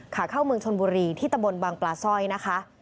ขาเข้าเมืองชนบุรีที่ตะบนบางปลาสร้อยนะคะ